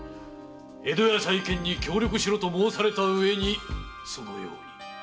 江戸屋再建に協力しろと申された上にそのように。